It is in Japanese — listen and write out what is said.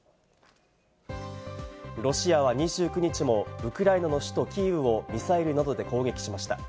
ロシアは２９日もウクライナの首都キーウをミサイルなどで攻撃しました。